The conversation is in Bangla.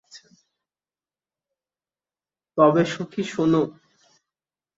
তবে সখী, শোনো।